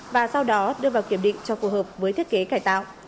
và sau đó đưa vào kiểm định cho phù hợp với thiết kế cải tạo